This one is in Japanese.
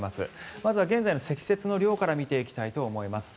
まずは現在の積雪の量から見ていきたいと思います。